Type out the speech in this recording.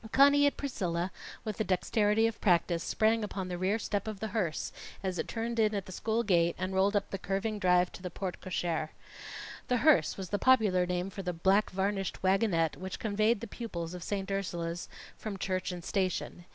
Conny and Priscilla, with the dexterity of practice, sprang upon the rear step of the hearse as it turned in at the school gate, and rolled up the curving drive to the porte cochère. The "hearse" was the popular name for the black varnished wagonette which conveyed the pupils of St. Ursula's from church and station.